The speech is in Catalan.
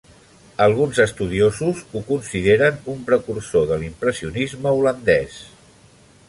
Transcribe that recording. Alguns estudiosos ho consideren un precursor de l'Impressionisme holandès.